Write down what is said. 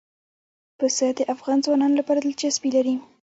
پسه د افغان ځوانانو لپاره دلچسپي لري.